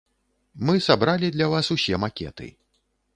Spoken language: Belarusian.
Мы сабралі для вас усе макеты.